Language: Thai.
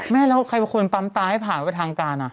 แม่แล้วใครเป็นคนปั๊มตาให้ผ่านไปทางการ